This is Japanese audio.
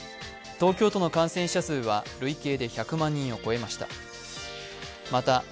東京都の感染者数は累計で１００万人を超えました。